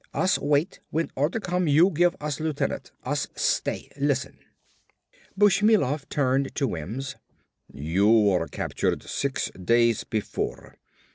Us wait when order come you give us lieutenant. Us stay. Listen." Bushmilov turned to Wims. "You are captured six days before.